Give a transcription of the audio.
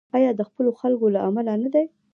آیا د خپلو خلکو له امله نه دی؟